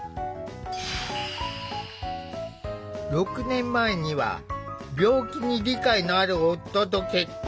６年前には病気に理解のある夫と結婚。